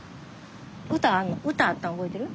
歌あんの歌あったん覚えてる？